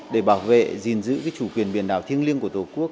để bảo vệ giữ chủ quyền biển đảo thiêng liêng của tổ quốc